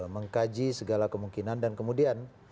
mengkaji segala kemungkinan dan kemudian